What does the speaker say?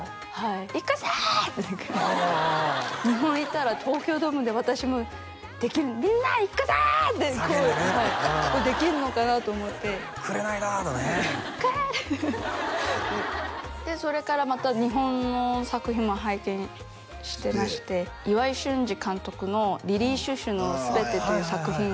「行くぞ！」とかああああ日本行ったら東京ドームで私もできる「みんな行くぞ！」って叫んでねできるのかなと思って「紅だー！」とねそれからまた日本の作品も拝見してまして岩井俊二監督の「リリイ・シュシュのすべて」という作品